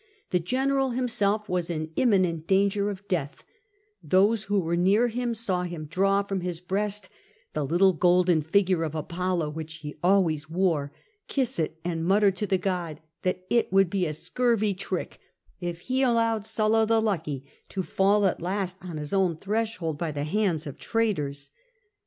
The general himself was in "imminent danger of death: those who were near him saw him draw from his breast the little golden figure of Apollo which he always wore, kiss it, and mutter to the god that it would be a scurvy trick if he allowed Sulla the lucky to fall at last on his own threshold by the hands of traitors.